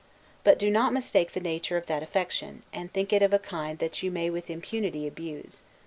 But do not mistake the nature of that affection, and think it of a kind that you may with impunity abuse.